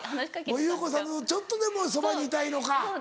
ゆう子さんのちょっとでもそばにいたいのか。